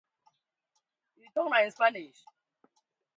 Kindo gò' kɨ abɨl bom ghà?